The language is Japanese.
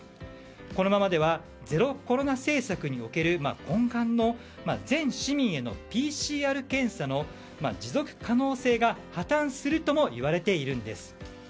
このままではゼロコロナ政策における根幹の全市民へのＰＣＲ検査の持続可能性が破綻するともいわれているんです。